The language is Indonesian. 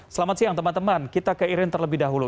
selamat siang teman teman kita ke irin terlebih dahulu